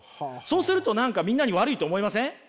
そうすると何かみんなに悪いと思いません？